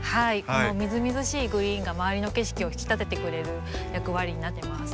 このみずみずしいグリーンが周りの景色を引き立ててくれる役割になってます。